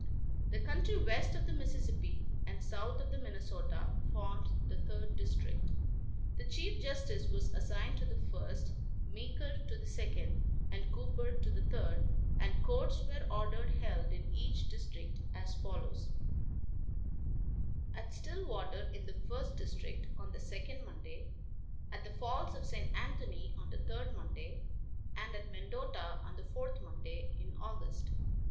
The country west of the Mississippi and south of the Minnesota formed the third district. The chief justice was assigned to the first, Meeker to the second and Cooper to the third, and courts were ordered held in each district as follows: At Stillwater, in the first district, on the second Monday, at the Falls of St. Anthony on the third Monday, and at Mendota on the fourth Monday, in August.